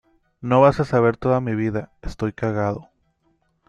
no vas a saber toda mi vida. estoy cagado